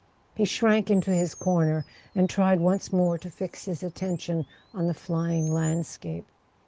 He shrank into his corner, and tried once more to fix his attention on the flying land¬ scape.